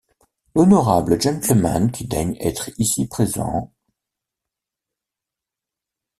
L’honorable gentleman qui daigne être ici présent...